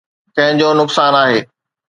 ڪنهن جو نقصان آهي؟